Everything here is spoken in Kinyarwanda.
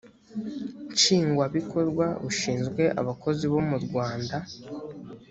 nshingwabikorwa bushinzwe abakozi bo mu rwanda